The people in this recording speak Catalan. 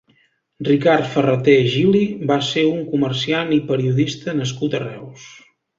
Ricard Ferraté Gili va ser un comerciant i periodista nascut a Reus.